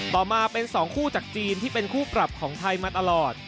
ต่อมาเป็น๒คู่จากจีนที่เป็นคู่ปรับของไทยมาตลอด